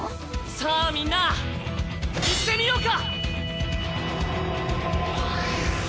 さあみんないってみようか！